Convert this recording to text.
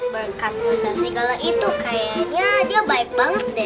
berkat wajahnya kalau itu kayaknya dia baik banget deh